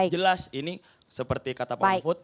jelas ini seperti kata pak mahfud